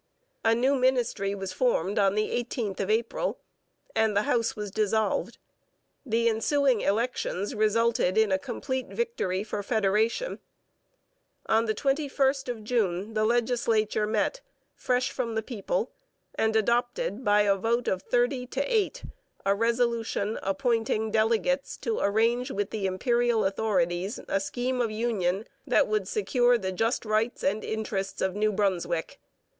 A new ministry was formed on the 18th of April, and the House was dissolved. The ensuing elections resulted in a complete victory for federation. On the 21st of June the legislature met, fresh from the people, and adopted, by a vote of thirty to eight, a resolution appointing delegates to arrange with the Imperial authorities a scheme of union that would secure 'the just rights and interests of New Brunswick.'